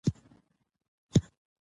ورو ورو ماشوم له ښوونځي سره عادت شي.